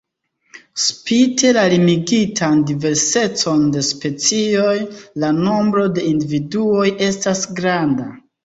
Spite la limigitan diversecon de specioj, la nombro de individuoj estas granda.